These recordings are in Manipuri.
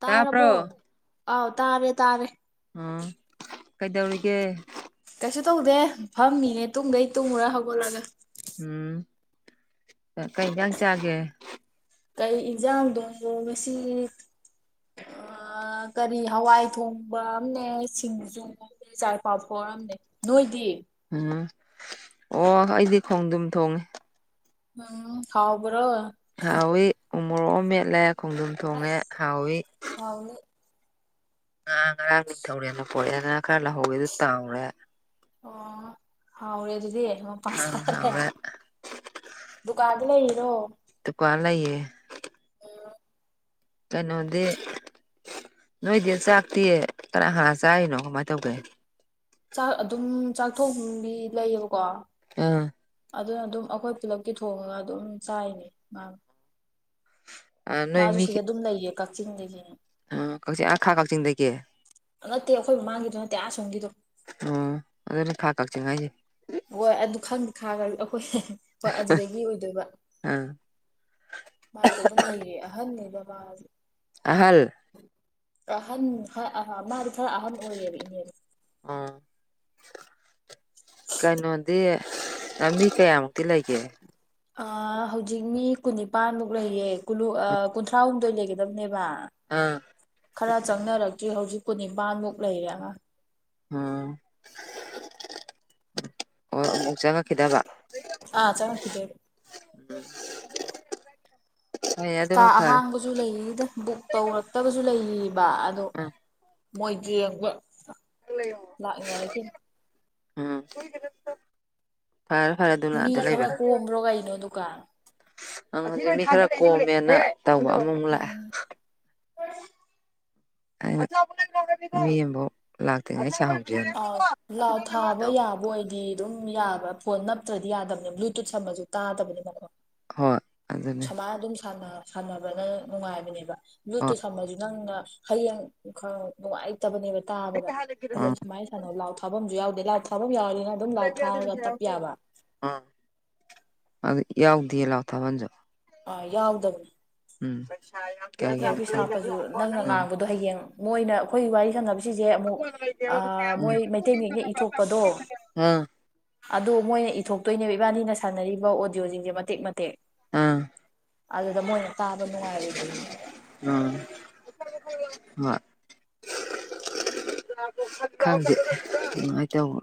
ꯇꯥꯔꯕꯣ ꯇꯥꯕ꯭ꯔꯣ ꯑꯥꯎ ꯇꯥꯔꯦ ꯇꯥꯔꯦ ꯑꯥ ꯀꯩꯗꯧꯔꯤꯒꯦ ꯀꯩꯁꯨ ꯇꯧꯗꯦ ꯐꯝꯃꯤꯌꯦ ꯇꯨꯡꯒꯩ ꯇꯨꯡꯃꯨꯔꯥ ꯍꯧꯒꯠꯂꯒ ꯎꯝ ꯀꯩ ꯑꯦꯟꯁꯥꯡ ꯆꯥꯒꯦ ꯀꯩ ꯌꯦꯟꯖꯥꯡꯗꯣꯅꯣ ꯉꯁꯤ ꯀꯔꯤ ꯍꯋꯥꯏ ꯊꯣꯡꯕ ꯑꯅꯦ ꯁꯤꯡꯖꯨ ꯑꯅꯦ ꯆꯥꯏ ꯄꯥꯐꯣꯔ ꯑꯝꯅꯦ ꯅꯣꯏꯗꯤ ꯎꯝ ꯑꯣ ꯑꯩꯗꯤ ꯈꯣꯡꯗꯨꯝ ꯊꯣꯡꯉꯦ ꯎꯝ ꯍꯥꯎꯕ꯭ꯔꯣ ꯍꯥꯎꯏꯤ ꯎ ꯃꯣꯔꯣꯛ ꯑꯃ ꯃꯦꯠꯂꯦ ꯈꯣꯡꯗꯝ ꯊꯣꯡꯉꯦ ꯑꯁ ꯍꯥꯎꯏꯤ ꯍꯥꯎꯅꯤ ꯉꯔꯥꯡ ꯉꯔꯥꯡ ꯅꯤꯡꯊꯧꯔꯦꯅ ꯄꯣꯔꯛꯦ ꯉꯥꯡ ꯈꯔ ꯂꯧꯍꯧꯋꯦ ꯑꯗꯨ ꯇꯥꯎꯔꯦ ꯑꯣ ꯍꯥꯎꯔꯦ ꯑꯗꯨꯗꯤ ꯎꯝ ꯍꯥꯎꯔꯦ ꯗꯨꯀꯥꯟ ꯎ ꯂꯩꯔꯣ ꯗꯨꯀꯥꯟ ꯂꯩꯌꯦ ꯗ ꯀꯩꯅꯣꯗꯤ ꯅꯣꯏꯗꯤ ꯆꯥꯛꯇꯤ ꯀꯅꯥ ꯍꯥꯟ ꯆꯥꯔꯤꯅꯣ ꯀꯃꯥꯏꯅ ꯇꯧꯒꯦ ꯆꯥꯛ ꯑꯗꯨꯝ ꯆꯥꯛꯊꯣꯡꯕꯤ ꯂꯩꯌꯦꯕꯀꯣ ꯑꯥ ꯑꯗꯨꯅ ꯑꯗꯨꯝ ꯑꯩꯈꯣꯏ ꯈꯨꯂꯞꯀꯤ ꯊꯣꯡꯉꯒ ꯑꯗꯨꯝ ꯆꯥꯏꯅꯤ ꯃꯥ ꯎ ꯃꯥꯁꯨ ꯁꯤꯗ ꯑꯗꯨꯝ ꯂꯩꯌꯦ ꯀꯛꯆꯤꯡꯗꯒꯤꯅꯦ ꯑ ꯀꯛꯆꯤꯡ ꯑꯈꯥ ꯀꯛꯆꯤꯡꯗꯒꯤ ꯅꯠꯇꯦ ꯑꯩꯈꯣꯏ ꯃꯃꯥꯡꯒꯤꯗꯣ ꯅꯠꯇꯦ ꯑꯥꯁꯣꯝꯒꯤꯗꯣ ꯆꯉꯥꯏꯁꯦ ꯍꯣꯏ ꯑꯗꯨ ꯈꯪꯗꯦ ꯈꯥꯒ ꯑꯩꯈꯣꯏ ꯍꯣꯏ ꯑꯗꯨꯗꯒꯤ ꯑꯣꯏꯗꯣꯏꯕ ꯑꯥ ꯃꯥꯁꯦ ꯑꯗꯨꯝ ꯂꯩꯌꯦ ꯑꯍꯟꯅ ꯕꯕꯥꯁꯦ ꯑꯍꯜ ꯑꯍꯟ ꯑ ꯃꯥꯗꯤ ꯈꯔ ꯑꯍꯟ ꯑꯣꯏꯔꯌꯦꯕ ꯏꯅꯦ ꯑꯣ ꯀꯩꯅꯣꯗꯤ ꯃꯤ ꯀꯌꯥꯃꯨꯛꯇꯤ ꯂꯩꯒꯦ ꯍꯧꯖꯤꯛ ꯃꯤ ꯀꯨꯟꯅꯤꯄꯥꯟꯃꯨꯛ ꯂꯩꯌꯦ ꯀ ꯀꯨꯟꯊ꯭ꯔꯥꯍꯨꯝꯗꯣꯏ ꯂꯩꯒꯗꯕꯅꯦꯕ ꯑꯥ ꯈꯔ ꯆꯪꯅꯔꯛꯇ꯭ꯔꯤ ꯍꯧꯖꯤꯛ ꯀꯨ ꯅꯤꯄꯥꯟꯃꯨꯛ ꯂꯩꯔꯦꯅ ꯎꯝ ꯑꯣ ꯆ ꯑꯥ ꯆꯉ ꯀꯇꯦ ꯍꯣꯏ ꯀꯥ ꯑꯗꯨꯅ ꯐꯔꯦ ꯑꯍꯥꯡꯕꯁꯨ ꯂꯩꯗ ꯕꯨꯛ ꯇꯧꯔꯛꯇꯕꯁꯨ ꯂꯩꯕ ꯑꯗꯣ ꯎꯝ ꯃꯣꯏꯗꯤ ꯌꯦꯡꯕ ꯂꯥꯛꯅꯔꯁꯤꯅꯤ ꯑ ꯐꯔꯦ ꯐꯔꯦ ꯃꯤ ꯑꯗꯨꯅꯗ ꯂꯩꯕ ꯈꯔ ꯀꯣꯝꯕ꯭ꯔꯣ ꯀꯩꯅꯣ ꯗꯨꯀꯥꯟ ꯑꯪ ꯃꯤ ꯈꯔ ꯀꯣꯝꯃꯦꯅ ꯇꯧꯕ ꯑꯃꯨꯃꯨꯛ ꯂꯥꯛꯑꯦ ꯎ ꯃꯤ ꯑꯃꯕꯨꯥꯎ ꯂꯥꯛꯇꯉꯩ ꯆ ꯑꯥꯎ ꯂꯥꯎ ꯊꯥꯕ ꯌꯥꯕ ꯑꯣꯏꯗꯤ ꯑꯗꯨꯝ ꯌꯥꯕ ꯄꯣꯟꯅ ꯐꯠꯇ꯭ꯔꯗꯤ ꯌꯥꯗꯕꯅꯤ ꯕ꯭ꯂꯨꯇꯨꯠ ꯁꯝꯝꯕꯁꯨ ꯇꯥꯗꯕꯅꯤꯅ ꯍꯣꯏ ꯑꯗꯨꯅꯦ ꯁꯨꯃꯥꯏꯅ ꯑꯗꯨꯝ ꯁꯥꯟꯅꯕꯅ ꯅꯨꯡꯉꯥꯏꯕꯅꯦꯕ ꯂꯨꯠꯇ ꯍꯣꯏ ꯁꯝꯕꯁꯨ ꯅꯪꯅ ꯍꯌꯦꯡ ꯈꯔ ꯅꯨꯡꯉꯥꯏꯇꯕꯅꯦꯕ ꯇꯥꯕꯗ ꯑꯗꯨ ꯎꯝ ꯁ ꯂꯥꯎ ꯊꯕꯝꯁꯨ ꯌꯥꯎꯗꯦ ꯂ ꯊꯛ ꯌꯥꯎꯅꯤꯅ ꯑꯗꯨꯝ ꯂꯥꯎ ꯊꯥꯔꯒ ꯊꯞ ꯌꯥꯕ ꯎꯝ ꯑꯗꯨ ꯌꯥꯎꯗꯦ ꯂꯥꯎꯊꯥꯕꯜꯁꯨ ꯑ ꯌꯥꯎꯗꯕ ꯎꯝ ꯀꯩꯒꯤꯅꯣ ꯏꯌꯥꯔꯄꯤꯤꯁ ꯈꯪꯗꯦ ꯍꯥꯞꯄꯁꯨ ꯅꯪꯅ ꯎꯝ ꯉꯥꯡꯕꯗꯣ ꯍꯌꯦꯡ ꯃꯣꯏꯅ ꯑꯩꯈꯣꯏ ꯋꯥꯔꯤ ꯁꯥꯟꯅꯕꯁꯤꯁꯦ ꯑꯥ ꯑꯃꯨꯛ ꯑꯥ ꯃꯣꯏ ꯃꯩꯇꯩ ꯃꯌꯦꯛꯅ ꯏꯊꯣꯛꯄꯗꯣ ꯑꯗꯨ ꯃꯣꯏꯅ ꯄꯨꯊꯣꯛꯇꯣꯏꯅꯦꯕ ꯏꯕꯥꯅꯤꯅ ꯁꯥꯟꯅꯔꯤꯕ ꯑꯣꯗꯤꯌꯣꯁꯤꯡꯁꯦ ꯃꯇꯦꯛ ꯃꯇꯦꯛ ꯑꯥ ꯑꯗꯨꯗ ꯃꯣꯏꯅ ꯇꯥꯕ ꯅꯨꯡꯉꯥꯏꯔꯣꯏꯗꯣꯏ ꯎꯝ ꯈꯪꯗꯦ ꯆꯕ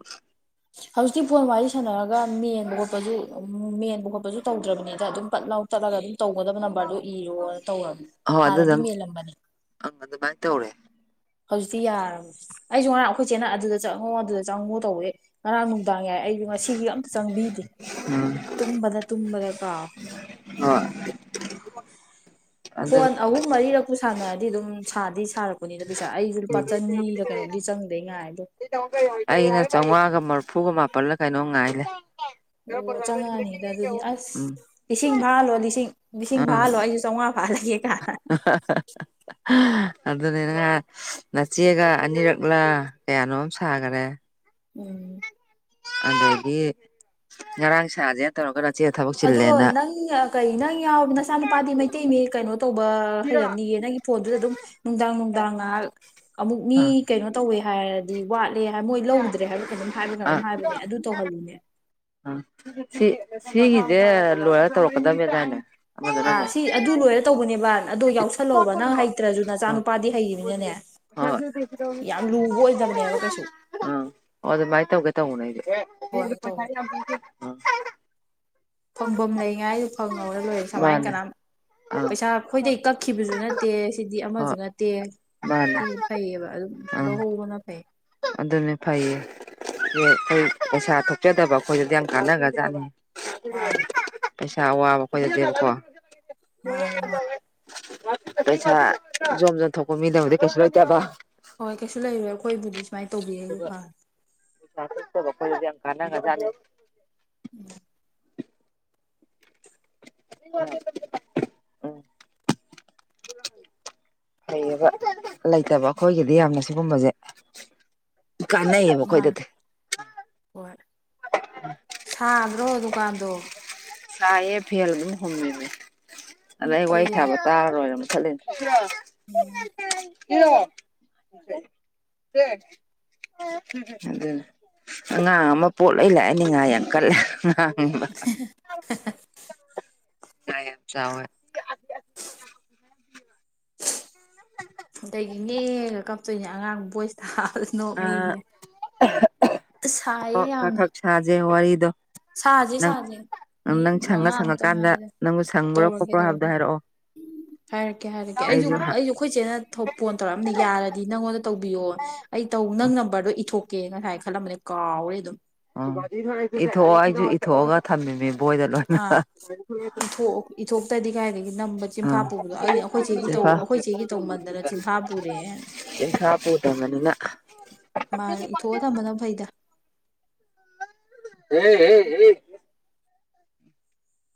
ꯍꯧꯖꯤꯛꯇꯤ ꯐꯣꯟ ꯋꯥꯔꯤ ꯁꯥꯟꯅꯔꯒ ꯃꯦꯟꯕ ꯈꯣꯠꯄꯁꯨ ꯎ ꯃꯦꯟꯕ ꯈꯣꯠꯄꯁꯨ ꯇꯧꯗ꯭ꯔꯕꯅꯦꯗ ꯑꯗꯨꯝ ꯄꯠ ꯂꯥꯎ ꯆꯠꯂꯒ ꯑꯗꯨꯝ ꯇꯧꯒꯗꯕ ꯅꯝꯕꯔꯗꯨꯣ ꯏꯔꯣꯅ ꯇꯧꯔꯕꯅꯦ ꯍꯣꯏ ꯍꯥꯟꯅꯗꯤ ꯑꯗꯨꯗꯪ ꯃꯦꯜꯂꯝꯕꯅꯦ ꯑꯪ ꯑꯗꯨꯃꯥꯏꯅ ꯇꯧꯔꯦ ꯍꯧꯖꯤꯛꯇꯤ ꯌꯥꯔꯕꯅꯦ ꯑꯩꯁꯨ ꯉꯔꯥꯡ ꯑꯩꯈꯣꯏꯁꯦꯅ ꯑꯗꯨꯗ ꯆꯪꯉꯣ ꯑꯗꯨꯗ ꯆꯪꯉꯣ ꯇꯧꯋꯦ ꯉꯔꯥꯡ ꯅꯨꯡꯗꯥꯡ ꯌꯥꯏ ꯑꯩꯁꯨ ꯉꯁꯤꯒꯤ ꯑꯝꯇ ꯆꯪꯕꯤꯗꯦ ꯇꯨꯝꯕꯗ ꯇꯨꯝꯕꯗ ꯀꯥ [inaudible] ꯑꯗꯨ ꯐꯣꯟ ꯑꯍꯨꯝ ꯃꯔꯤꯔꯛꯄꯨ ꯁꯥꯟꯅꯔꯗꯤ ꯑꯗꯨꯝ ꯁꯥꯗꯤ ꯊꯥꯔꯛꯄꯅꯤꯗ ꯄꯩꯁꯥ ꯑꯩꯁꯨ ꯂꯨꯄꯥ ꯆꯅꯤꯗ ꯀꯩꯅꯣꯝꯗꯤ ꯆꯪꯗꯦ ꯉꯥꯏ ꯍꯥꯏꯗꯣ ꯑꯩꯅ ꯆꯥꯝꯃꯉꯥꯒ ꯃꯔꯐꯨꯒ ꯃꯥꯄꯜꯂ ꯀꯩꯅꯣꯝ ꯉꯥꯏꯂꯦ ꯑꯣ ꯆꯪꯉꯛꯑꯅꯤꯗ ꯑꯗꯨꯗꯤ ꯑꯁ ꯎꯝ ꯂꯤꯁꯤꯡ ꯐꯥꯍꯜꯂꯣ ꯂꯤꯁꯤꯡ ꯂꯤꯁꯤꯡ ꯑꯥ ꯐꯥꯍꯜꯂꯣ ꯑꯩꯁꯨ ꯆꯥꯝꯃꯉꯥ ꯄꯦ ꯀ ꯑꯗꯨꯅꯤꯅꯍꯥꯛ ꯅꯆꯦꯒ ꯑꯅꯤꯔꯛꯂꯥ ꯀꯌꯥꯅꯣ ꯑꯃ ꯁꯥꯈꯔꯦ ꯎꯝ ꯑꯗꯒꯤ ꯉꯔꯥꯡ ꯁꯥꯁꯦꯅ ꯇꯧꯔꯒꯔ ꯆꯦ ꯑꯗꯣ ꯅꯪ ꯀꯩ ꯅꯪ ꯌꯥꯎ ꯅꯆꯥ ꯅꯨꯨꯄꯥꯗꯤ ꯃꯩꯇꯩ ꯃꯤ ꯀꯩꯅꯣ ꯇꯧꯕ ꯍꯩꯔꯝꯅꯤꯌꯦ ꯅꯪ ꯐꯣꯟꯗꯨꯗ ꯑꯗꯨꯝ ꯅꯨꯡꯗꯥꯡ ꯅꯨꯡꯗꯥꯡ ꯉꯥꯏꯍꯥꯛ ꯑꯃꯨꯛ ꯃꯤ ꯑꯥ ꯀꯩꯅꯣ ꯇꯧꯋꯦ ꯍꯥꯏꯔꯗꯤ ꯋꯥꯠꯂꯦ ꯍꯥꯏ ꯃꯣꯏ ꯂꯧꯗ꯭ꯔꯦ ꯍꯥꯏꯕ꯭ꯔꯥ ꯀꯩꯅꯣꯝ ꯍꯥꯏꯕ ꯀꯩꯅꯣꯝ ꯍꯥꯏꯕꯅꯦ ꯑꯗꯨ ꯇꯧꯍꯜꯂꯨꯅꯦ ꯎ ꯁꯤ ꯁꯤꯒꯤꯁꯦ ꯂꯣꯏꯔ ꯇꯧꯔꯛꯀꯗꯕꯅꯦꯗꯥꯅꯦ ꯑꯥ ꯁꯤ ꯑꯗꯨ ꯂꯣꯏꯔ ꯇꯧꯕꯅꯦꯕ ꯑꯗꯨꯣ ꯌꯥꯎꯁꯜꯂꯛꯣꯕ ꯅꯪ ꯍꯩꯇ꯭ꯔꯁꯨ ꯅꯆꯥꯅ ꯅꯨꯄꯥꯗꯤ ꯍꯩꯅꯤꯅꯅꯦ ꯀꯩꯁꯨ ꯑ ꯑꯗꯥꯏ ꯇꯧꯒꯦ ꯇꯧꯅ ꯍꯣꯏ ꯇꯧ ꯐꯪꯐꯝ ꯂꯩꯉꯥꯏꯗ ꯐꯪꯍꯧꯔ ꯂꯣꯏꯔꯦ ꯑꯥ ꯁꯨꯃꯥꯏꯅ ꯃꯥꯅꯦ ꯀꯅꯥ ꯑꯥ ꯄꯩꯁꯥ ꯈꯈꯣꯏꯗꯩ ꯀꯛ ꯀꯈꯤꯕꯁꯨ ꯅꯠꯇꯦ ꯁꯤꯗꯤ ꯑꯃꯁꯨ ꯍꯣꯏ ꯅꯠꯇꯦ ꯃꯥꯅꯦ ꯁꯤ ꯐꯩꯌꯦꯕ ꯑꯗꯨꯝ ꯑꯪ ꯂꯧꯍꯧꯕꯅ ꯐꯩ ꯑꯗꯨꯅꯦ ꯐꯩꯌꯦ ꯑꯩꯈꯣꯏ ꯄꯩꯁꯥ ꯊꯣꯛꯆꯗꯕ ꯑꯩꯈꯣꯏꯗꯗꯤ ꯌꯥꯝ ꯀꯥꯟꯅꯈ꯭ꯔꯖꯥꯠꯅꯤ ꯃꯥꯅꯦ ꯄꯩꯁꯥ ꯑꯋꯥꯕ ꯈꯣꯏ ꯂꯩꯗꯦꯕꯀꯣ ꯃꯥꯅꯦ ꯃꯥꯅꯤ ꯄꯩꯁꯥ ꯖꯣꯝ ꯖꯣꯝ ꯊꯣꯛꯄ ꯃꯤꯗꯕꯨꯗꯤ ꯀꯩꯁꯨ ꯂꯣꯏꯇꯦꯕ ꯍꯣꯏ ꯀꯩꯁꯨ ꯂꯩꯔꯦ ꯑꯩꯈꯣꯏꯕꯨꯗꯤ ꯁꯨꯃꯥꯏꯅ ꯇꯧꯕꯤꯔꯒꯦ ꯐꯅꯤꯦ ꯌꯥꯝ ꯀꯥꯟꯅ ꯉꯖꯥꯅꯤ ꯎꯝ ꯎꯝ ꯂꯩ ꯂꯩꯇꯕ ꯑꯩꯈꯣꯏꯒꯤꯗꯤ ꯌꯥꯝꯅ ꯁꯤꯒꯨꯝꯕꯁꯦ ꯀꯥꯟꯅꯩꯌꯦꯕ ꯃꯥꯅꯦ ꯑꯩꯈꯣꯏꯗꯗꯤ ꯍꯣꯏ ꯁꯥꯗ꯭ꯔꯣ ꯗꯨꯀꯥꯟꯗꯣ ꯆꯥꯏꯌꯦ ꯐꯦꯜ ꯑꯗꯨꯝ ꯍꯨꯝꯃꯤꯁꯦ ꯑꯗꯩ ꯑꯩ ꯋꯥꯔꯤ ꯁꯥꯕ ꯆꯥꯔꯔꯣꯏꯕ [unintelligible] ꯎꯝ ꯀ ꯑꯗꯨ ꯑꯉꯥꯡ ꯑꯃ ꯄꯣꯠꯂ ꯂꯥꯛꯑꯅꯤ ꯉꯥ ꯌꯥꯝ ꯀꯜꯂꯦ ꯉꯥ ꯎꯝ [unintelligible] ꯌꯥ ꯌꯥꯝ ꯆꯋꯥꯏ ꯑꯗꯒꯤꯅꯦꯒ ꯀꯞꯇꯣꯏꯅꯦ ꯑꯉꯥꯡ ꯕꯣꯏꯁꯇ ꯅꯣꯛ ꯑꯥ ꯃꯤꯉꯦ ꯁꯥꯏꯌꯦ ꯌꯥꯝꯅ ꯋꯥꯔꯤꯗ ꯁꯥꯍꯖꯦ ꯁꯥꯍꯖꯦ ꯅꯪ ꯁꯪꯉ ꯁꯪꯉꯀꯥꯟꯗ ꯅꯪꯕꯨ ꯁꯪꯕ꯭ꯔꯣ ꯇꯧꯔꯒꯦ ꯈꯣꯠꯄ꯭ꯔꯣ ꯍꯥꯏꯕꯗꯣ ꯇꯧꯔꯒꯦ ꯍꯥꯏꯔꯛꯑꯣ ꯍꯥꯏꯔꯛꯀꯦ ꯍꯥꯏꯔꯛꯀꯦ ꯑꯩꯁꯨ ꯑꯩꯁꯨ ꯑꯩꯈꯣꯏ ꯆꯦꯠꯅ ꯐꯣꯟ ꯇꯧꯔꯛꯑꯝꯅꯤ ꯌꯥꯔꯗꯤ ꯅꯪꯉꯣꯟꯗ ꯇꯧꯕꯤꯌꯣ ꯑꯩ ꯅꯪ ꯅꯝꯕꯔꯗꯣ ꯏꯊꯣꯛꯀꯦ ꯉꯁꯥꯏ ꯈꯜꯂꯝꯕꯅꯦ ꯀꯥꯎꯔꯦ ꯑꯗꯨꯝ ꯎꯝ ꯏꯊꯣꯛꯑꯣ ꯑꯩꯁꯨ ꯏꯊꯣꯛꯑꯒ ꯊꯝꯃꯤꯃꯤ ꯕꯣꯏꯗ ꯑꯥ ꯂꯣꯏꯅ ꯏꯊꯣꯛ ꯏꯊꯣꯛꯇꯗꯤ ꯀꯥꯏꯗꯒꯤ ꯅꯝꯕ ꯆꯤꯟꯐꯥ ꯑꯥ ꯄꯨꯕꯗꯣ ꯑ ꯑꯩꯈꯣꯏꯆꯦꯒꯤ ꯆꯦ ꯇꯧ ꯐꯥꯎ ꯑꯩꯈꯣꯏ ꯆꯦꯒꯤ ꯇꯧꯃꯟꯗꯅ ꯚꯥꯕꯨꯔꯦ ꯆꯥꯄꯪꯉꯅꯤꯅ ꯃꯥꯅꯦ ꯏꯊꯣꯛꯑ ꯊꯝꯝꯕꯗ ꯐꯩꯗ ꯍ ꯍ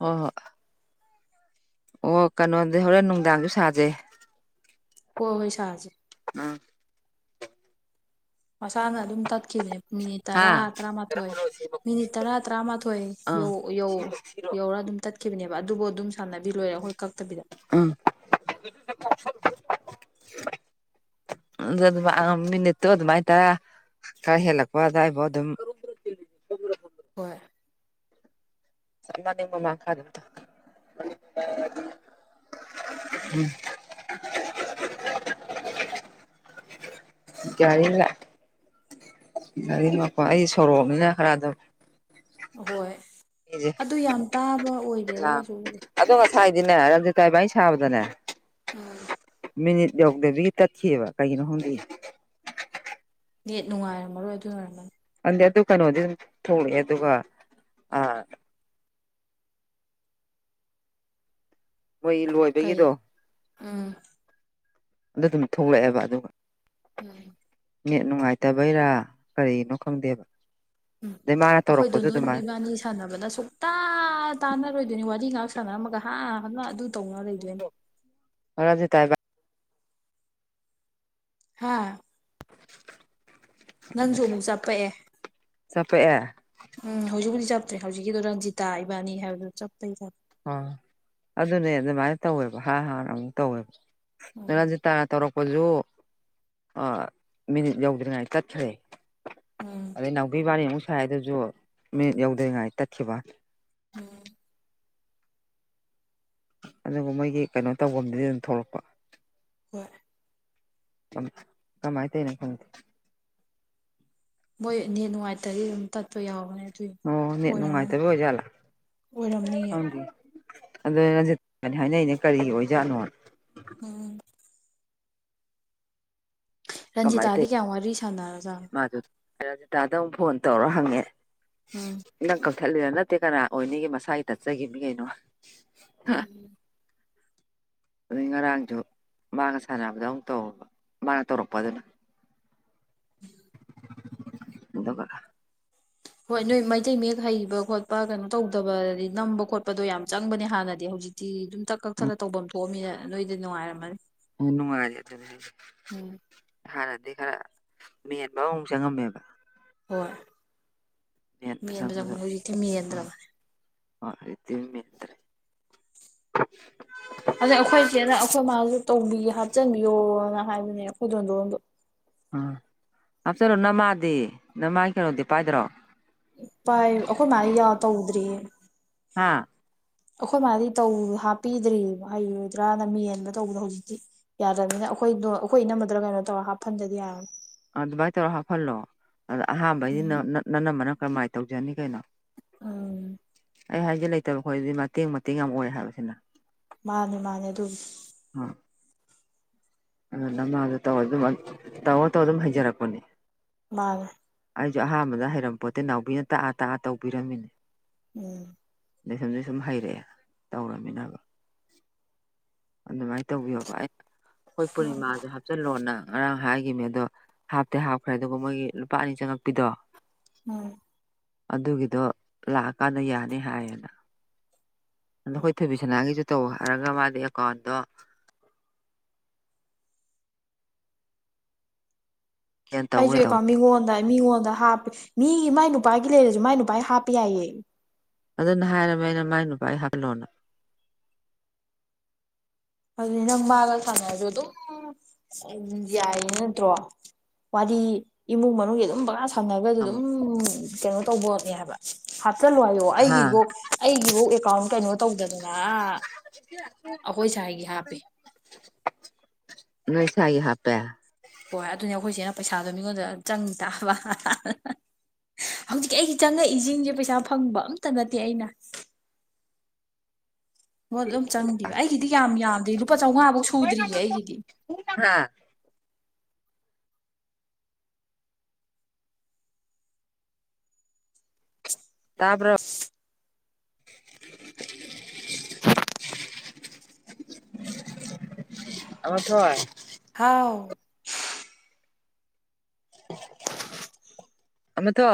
ꯍ ꯍꯣ ꯑꯣ ꯀꯩꯅꯣꯗꯤ ꯍꯣꯔꯦꯟ ꯅꯨꯡꯗꯥꯡꯁꯨ ꯁꯥꯖꯩ ꯍꯣ ꯍꯣꯏ ꯁꯥꯖꯦ ꯑꯝ ꯑꯁꯥꯅ ꯑꯗꯨꯝ ꯇꯀ ꯃꯤꯅꯤꯠ ꯇꯔꯥ ꯑꯥ ꯇꯔꯥꯃꯥꯊꯣꯏ ꯃꯤꯅꯤꯠ ꯇꯔꯥ ꯇꯔꯥꯃꯥꯊꯣꯏ ꯌꯧ ꯌꯧ ꯌꯧꯔꯒ ꯑꯗꯨꯝ ꯆꯠꯈꯤꯕꯅꯦꯕ ꯑꯗꯨꯕꯨ ꯑꯗꯨꯝ ꯁꯥꯟꯅꯕꯤ ꯂꯣꯏꯔꯦ ꯑꯩꯈꯣꯏ ꯀꯛꯇꯕꯤꯗ ꯎꯝ ꯑꯗꯨ ꯃꯤꯅꯤꯠꯇꯣ ꯑꯗꯨꯃꯥꯏ ꯇꯔ ꯈꯔ ꯍꯦꯜꯂꯛꯄ ꯑꯗꯨꯗꯥꯋꯥꯏꯐꯣ ꯑꯗꯨꯝ [inaudible] ꯍ ꯁꯃꯅꯤ ꯃ ꯃ ꯈꯥꯗ ꯎꯠꯇ ꯎꯝ ꯀꯔꯤꯂ ꯒꯥꯔꯤ ꯃꯄꯣ ꯑꯩ ꯁꯣꯔꯣꯛꯑꯅꯤꯅ ꯈꯔꯗ ꯑꯣꯏ ꯑꯗꯨ ꯌꯥꯝ ꯇꯥꯕ ꯑꯣꯏꯒꯦꯗ ꯀꯩꯁꯨꯕꯨꯗꯤ ꯐꯥꯏꯗꯅꯦ ꯔꯟꯖꯤ ꯇꯥꯏꯕ ꯁꯥꯕꯗꯅꯦ ꯃꯤꯅꯤꯠ ꯌꯧꯗꯕꯤꯒꯤ ꯇꯠꯈꯤꯑꯕ ꯀꯩꯒꯤꯅꯣ ꯍꯣꯡꯗꯦ ꯅ ꯅꯨꯡꯉꯥꯏꯔꯝꯃꯔꯣꯏ ꯑꯗꯨ ꯑꯣꯏꯔꯝꯃꯅꯤ ꯑꯗꯨ ꯀꯩꯅꯣꯗꯤ ꯑꯗꯨꯝ ꯊꯣꯛꯂꯑꯦ ꯑꯗꯨꯒ ꯑꯥ ꯃꯣꯏ ꯀꯩ ꯂꯣꯏꯕꯒꯤꯗꯣ ꯎꯝ ꯑꯗꯨ ꯑꯗꯨꯝ ꯊꯣꯛꯂꯛꯑꯦꯕ ꯑꯗꯨꯒ ꯎꯝ ꯅꯦꯠ ꯅꯨꯡꯉꯥꯏꯇꯕꯩꯔꯥ ꯀꯔꯤꯅꯣ ꯈꯪꯗꯦꯕ ꯎꯝ ꯑꯗꯩ ꯃꯥꯅ ꯑꯩꯈꯣꯏꯗꯣ ꯇꯧꯔꯛꯄꯁꯨ ꯅꯣꯏ ꯑꯗꯨꯃꯥꯏꯅ ꯏꯕꯥꯅꯤ ꯁꯥꯟꯅꯕꯅ ꯁꯨꯡꯛꯇ ꯇꯥꯟꯅꯔꯣꯏꯗꯣꯏꯅꯤ ꯋꯥꯔꯤ ꯉꯥꯛ ꯁꯥꯟꯅꯔꯝꯃꯒ ꯍꯥ ꯍꯅ ꯑꯗꯨ ꯇꯧꯅ ꯂꯩꯗꯣꯏꯅꯦ ꯍꯔꯗꯤ ꯇꯥꯏꯕ ꯍꯥꯥ ꯅꯪꯁꯨ ꯑꯃꯨꯛ ꯆꯠꯄꯛꯑꯦ ꯆꯠꯄꯛꯑꯦ ꯎꯝ ꯍꯧꯖꯤꯛ ꯍꯧꯖꯤꯛ ꯆꯠꯇ꯭ꯔꯦ ꯍꯧꯛꯀꯤꯣ ꯔꯟꯖꯤꯇꯥ ꯏꯕꯥꯅꯤ ꯍꯥꯏꯕꯗꯨꯣ ꯆꯞꯄꯩ ꯆ꯭ꯔꯦ ꯑ ꯑꯗꯨꯅꯦ ꯑꯗꯨꯃꯥꯏꯅ ꯇꯧꯋꯦꯕ ꯍꯥꯥꯟ ꯍꯥꯟꯅ ꯑꯃꯨꯛ ꯇꯧꯋꯦꯕ ꯎꯝ ꯍꯔꯖꯤ ꯇ ꯇꯔꯛ ꯀꯁꯨ ꯃꯤꯅꯤꯠ ꯌꯧꯗ꯭ꯔꯤꯉꯥꯏ ꯆꯠꯈ꯭ꯔꯦ ꯎꯝ ꯑꯗꯩ ꯅꯥꯎꯈꯩ ꯋꯥꯔꯤꯕꯥꯃꯨꯛ ꯁꯥꯏ ꯑꯗꯨꯁꯨ ꯃꯤ ꯌꯧꯗ꯭ꯔꯤꯉꯥꯏ ꯇꯠꯈꯤꯕ ꯎꯝ ꯑꯗꯨꯒ ꯃꯣꯏꯒꯤ ꯀꯩꯅꯣ ꯇꯧꯐꯝꯗꯨꯗꯤ ꯑꯗꯨꯝ ꯊꯣꯛꯂꯛꯄ ꯍꯣꯏ ꯀꯥꯏ ꯇꯅꯦ ꯈꯦ ꯃꯣꯏ ꯅ ꯅꯨꯡꯉꯥꯏꯇꯗꯤ ꯑꯗꯨꯝ ꯇꯠꯄ ꯌꯥꯎꯒꯅꯦ ꯑꯣ ꯅꯠ ꯅꯨꯡꯉꯥꯏꯇꯕ ꯑꯣꯏꯖꯂ ꯑꯣꯏꯔꯝꯅꯤꯌꯦ ꯑꯗꯨ ꯔꯟꯖꯤꯅꯤ ꯍꯥꯏꯅꯩꯅꯦ ꯀꯔꯤ ꯑꯣꯏꯖꯥꯠꯅꯣ ꯎꯝ ꯀꯃꯥꯏꯅ ꯔꯟꯖꯤꯇꯥꯗꯤ ꯇꯧꯏ ꯀꯌꯥꯝ ꯋꯥꯔꯤ ꯁꯥꯟꯅꯔꯔꯕꯒꯦ ꯃꯥꯗꯨ ꯔꯥꯖꯤꯇꯥꯗ ꯑꯃꯨꯛ ꯐꯣꯟ ꯇꯧꯔꯣ ꯍꯪꯉꯦ ꯎꯝ ꯊꯠꯂꯤꯗ ꯅꯠꯇꯦ ꯀꯅꯥ ꯑꯣꯏꯅꯤꯒꯤ ꯃꯁꯥꯒꯤ ꯇꯠꯆꯈꯤꯕꯅꯤ ꯀꯩꯅꯣ ꯎꯝ ꯔꯣꯏ ꯉꯔꯥꯡ ꯆꯣ ꯃꯥꯅ ꯁꯥꯟꯅꯕꯗ ꯑꯃꯨꯛ ꯇꯧꯕ ꯃꯥꯅ ꯇꯧꯔꯛꯄ ꯑꯗꯨꯅ ꯏꯗ ꯀꯔ ꯍꯣꯏ ꯅꯣꯏ ꯃꯩꯇꯩ ꯃꯌꯦꯛ ꯍꯩꯕ ꯈꯣꯠꯄ ꯀꯩꯅꯣ ꯇꯧꯗꯕ ꯅꯝꯕ ꯈꯣꯠꯄꯗꯣ ꯌꯥꯝ ꯆꯪꯕꯅꯦ ꯍꯥꯟꯅꯗꯤ ꯍꯧꯖꯤꯛ ꯍꯧꯖꯤꯛꯇꯤ ꯑꯗꯨꯝ ꯇꯛ ꯀꯛ ꯊꯠꯂ ꯇꯧꯐꯝ ꯊꯣꯛꯑꯃꯤꯅ ꯅꯣꯏꯗ ꯅꯨꯡꯉꯥꯏꯔꯝꯃꯅꯤ ꯍꯅꯨꯡꯃꯦ ꯑꯗꯨ ꯎꯝ ꯑꯩ ꯈꯔ ꯃꯤꯦꯟꯕ ꯑꯃꯨꯛ ꯆꯪꯉꯝꯃꯦꯕ ꯍꯣꯏ ꯃꯦꯟꯕ ꯆ ꯍꯧꯖꯤꯛꯇꯤ ꯃꯦꯟꯗ꯭ꯔꯕꯅꯦ ꯍꯠꯇ ꯃꯇ꯭ꯔꯦ ꯑ ꯑꯣꯈꯣꯏꯗꯤꯅ ꯑꯈꯣꯏ ꯃꯥꯜ ꯇꯧꯕꯤ ꯍꯥꯞꯆꯤꯟꯕꯤꯌꯣꯅ ꯍꯥꯏꯕꯅꯦ ꯑꯩꯈꯣꯏꯗꯣꯟꯗꯣꯟꯗ ꯎ ꯍꯥꯞꯆꯔꯣ ꯅꯃꯥꯗꯤ ꯅꯃꯥꯒꯤ ꯀꯩꯅꯣꯗꯤ ꯄꯥꯏꯗ꯭ꯔꯣ ꯄꯥꯏ ꯑꯩꯈꯣꯏ ꯃꯥꯔꯤ ꯌꯥꯎ ꯇ ꯎꯗꯔꯤ ꯍꯥ ꯑꯩꯈꯣꯏ ꯃꯥꯗꯤ ꯇꯧ ꯍꯥꯞꯄꯤꯗ꯭ꯔꯤꯑ ꯍꯩꯔꯣꯏꯗ꯭ꯔꯅ ꯃꯦꯟꯕ ꯇꯧꯕꯗꯣ ꯍꯧꯖꯤꯛꯇꯤ ꯌꯥꯗ꯭ꯔꯕꯅꯤꯅ ꯑꯩꯈꯣꯏꯗꯣ ꯑꯩꯈꯣꯏ ꯏꯝꯃꯗ꯭ꯔ ꯀꯩꯅꯣ ꯇꯧꯔ ꯍꯥꯞ ꯐꯟꯖꯗꯤ ꯌꯥꯔ ꯑꯗꯨꯃꯥꯏꯅ ꯇꯧꯔꯒ ꯍꯥꯞꯍꯜꯂꯣ ꯑꯗ ꯑꯍꯥꯟꯕꯩꯁꯤ ꯅꯅꯝꯕꯅ ꯀꯔꯝꯍꯥꯏꯅ ꯇꯧꯖꯅꯤ ꯀꯩꯅꯣ ꯑꯝ ꯑꯩ ꯍꯥꯏꯗꯤꯦ ꯂꯩꯇꯕ ꯈꯈꯣꯏꯗꯤ ꯃꯇꯦꯡ ꯃꯇꯦꯡ ꯌꯥꯝ ꯑꯣꯏ ꯍꯥꯏꯕꯁꯤꯅ ꯃꯥꯅꯦ ꯃꯥꯅꯦ ꯑꯗꯨꯝ ꯑꯗꯨ ꯅꯃꯥꯗ ꯇꯧꯔꯝ ꯇꯧ ꯇꯧꯔ ꯑꯗꯨꯝ ꯍꯩꯖꯔꯛꯄꯅꯦ ꯃꯥꯅꯦ ꯑꯩꯁꯨ ꯑꯍꯥꯟꯕꯗ ꯍꯩꯔꯝꯄꯣ ꯇꯦ ꯅꯥꯎꯕꯤꯅ ꯇꯥꯛꯑ ꯇꯥꯛꯑ ꯇꯧꯕꯤꯔꯝꯃꯤꯅꯦ ꯎꯝ ꯑ ꯁꯨꯝꯗꯩ ꯁꯨꯝ ꯍꯩꯔꯛꯑꯦ ꯇꯧꯔꯃꯤꯅꯕ ꯑꯗꯨꯃꯥꯏꯅ ꯇꯧꯕꯤꯌꯣꯕ ꯑꯩ ꯑꯩꯈꯣꯏ ꯄꯨꯔꯅꯤꯃꯥꯁꯨꯦ ꯍꯥꯞꯆꯜꯂꯣꯅ ꯉꯔꯥꯡ ꯍꯥꯏꯈꯤꯕꯅꯦ ꯑꯗꯣ ꯍꯥꯞꯇꯤ ꯍꯥꯞꯈ꯭ꯔꯦ ꯑꯗꯨꯕꯨ ꯃꯣꯏꯒꯤ ꯂꯨꯄꯥ ꯑꯅꯤ ꯆꯪꯉꯛꯄꯤꯗꯣ ꯎꯝ ꯑꯗꯨꯒꯤꯗꯣ ꯂꯥꯛꯑꯀꯥꯟꯗ ꯌꯥꯅꯤ ꯍꯥꯏꯌꯦꯅ ꯑꯗꯣ ꯑꯩꯈꯣꯏ ꯊꯣꯏꯕꯤꯁꯅꯥꯒꯤꯁꯨ ꯇꯧ ꯍꯥꯏꯔꯒ ꯃꯥꯗꯤ ꯑꯦꯀꯥꯎꯟꯗꯣ ꯕꯦꯟ ꯇꯧ ꯑꯩꯁꯨ ꯂꯩꯍꯧ ꯀꯝ ꯏꯉꯣꯗ ꯃꯤꯉꯣꯟꯗ ꯍꯥꯞꯄ ꯃꯤ ꯃꯥꯏ ꯅꯨꯄꯥꯒꯤ ꯂꯩꯔꯁꯨ ꯃꯥꯏ ꯅꯨꯄꯥꯒꯤ ꯍꯥꯞꯄ ꯌꯥꯏꯌꯦ ꯑꯗꯨꯅ ꯍꯥꯏꯔꯝꯃꯦ ꯑꯩꯅ ꯃꯥꯏ ꯅꯨꯄꯥ ꯑꯩ ꯍꯥꯞꯂꯣꯅ ꯑꯗꯨ ꯅꯝ ꯃꯥꯒꯜ ꯁꯅ ꯍꯥꯏꯔ ꯑꯗꯨ ꯝ ꯌꯥꯏꯌꯦ ꯅꯠꯇ꯭ꯔꯣ ꯋꯥꯔꯤ ꯏꯃꯨꯡ ꯃꯅꯨꯡꯒꯤ ꯑꯗꯨꯝ ꯕꯀꯥ ꯁꯪꯅꯕ ꯑꯗꯨꯝ ꯑꯃꯨꯛ ꯀꯩꯅꯣ ꯇꯧꯕꯠꯅꯦ ꯍꯥꯏꯕ ꯆꯠꯂꯨ ꯍꯥꯏꯌꯣ ꯍꯥ ꯑꯩꯒꯤꯐꯧ ꯑꯩꯒꯤꯐꯧ ꯑꯦꯀꯥꯎꯟ ꯀꯩꯅꯣ ꯇꯧꯗꯗꯅ ꯑꯩꯈꯣꯏ ꯁ ꯍꯥꯏꯒꯤ ꯍꯥꯞꯄꯦ ꯅꯁ ꯏ ꯍꯥꯞꯄꯦ ꯍꯣꯏ ꯑꯗꯨꯅꯦ ꯑꯩꯈꯣꯏꯁꯦꯅ ꯄꯩꯁꯥꯗꯣ ꯃꯤꯉꯣꯟꯗ ꯆꯪꯉ ꯇꯥꯕ ꯍꯧꯖꯤꯛꯀꯤ ꯑꯩꯁ ꯆꯪꯉꯛꯏꯁꯤꯡꯁꯦ ꯄꯩꯁꯥ ꯐꯪꯕ ꯑꯝꯇ ꯅꯠꯇꯦ ꯑꯩꯅ ꯃꯣꯏ ꯑꯗꯨꯝ ꯆꯪꯗꯦꯕ ꯑꯩꯒꯤꯗꯤ ꯌꯥꯝ ꯌꯥꯝꯗ꯭ꯦ ꯂꯨꯄꯥ ꯆꯥꯝꯃꯉꯥꯐꯧ ꯁꯨꯗ꯭ꯔꯤꯌꯦ ꯑꯩꯒꯤꯗꯤ ꯑ ꯇꯄ [inaudible] ꯑ ꯊꯣꯛꯣꯏ ꯍꯥꯎ [inaudible] ꯑ ꯊ